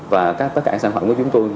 và tất cả sản phẩm của chúng tôi